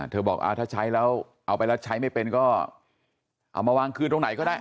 บอกถ้าใช้แล้วเอาไปแล้วใช้ไม่เป็นก็เอามาวางคืนตรงไหนก็ได้